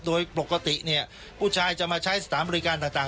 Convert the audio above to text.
โดยปกติผู้ชายจะมาใช้สถานบริการต่าง